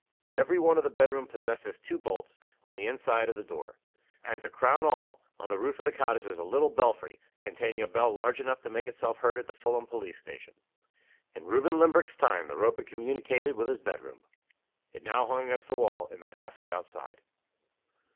Every one of the bedrooms possessed its two bolts on the inner side of the door. And, to crown all, on the roof of the cottage was a little belfry, containing a bell large enough to make itself heard at the Fulham police station. In Reuben Limbrick's time the rope had communicated with his bedroom. It hung now against the wall, in the passage outside.